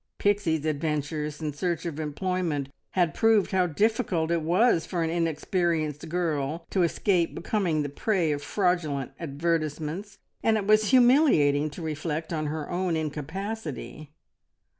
Pixie's adventures in search of employment had proved how difficult it was for an inexperienced girl to escape becoming the prey of fraudulent advertisements, and it was humiliating to reflect on her own incapacity.